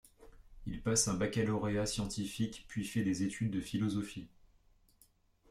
Il passe un baccalauréat scientifique puis fait des études de philosophie.